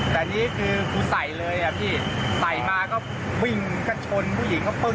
แต่นี่คือคือใส่เลยใส่มาก็วิ่งก็ชนผู้หญิงเขาเพิ่ง